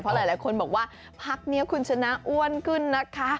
เพราะหลายคนบอกว่าพักนี้คุณชนะอ้วนขึ้นนะคะ